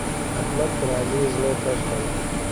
احمد پر علي زړه تش کړ.